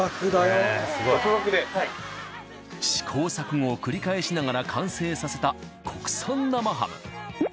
試行錯誤を繰り返しながら完成させた国産生ハム。